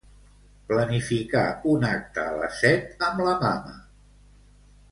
Planificar un acte a les set amb la mama.